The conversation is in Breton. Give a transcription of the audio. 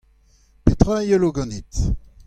Petra a yelo ganit ?